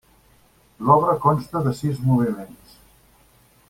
L'obra consta de sis moviments.